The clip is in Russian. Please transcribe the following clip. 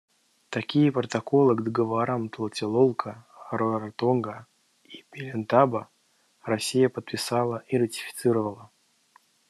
Такие проколы к договорам Тлателолко, Раротонга и Пелиндаба Россия подписала и ратифицировала.